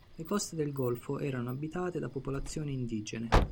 Le coste del golfo erano abitate da popolazioni indigene.